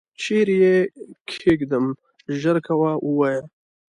چیري یې کښېږدم ؟ ژر کوه ووایه !